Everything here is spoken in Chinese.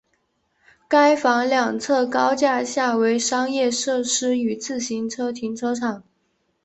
站房两侧高架下为商业设施与自行车停车场。